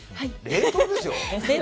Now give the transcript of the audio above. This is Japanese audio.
冷凍ですよ？